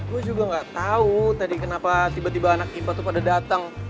gue juga gak tahu tadi kenapa tiba tiba anak impa tuh pada datang